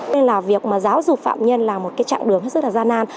nên là việc giáo dục phạm nhân là một trạng đường rất là gian nan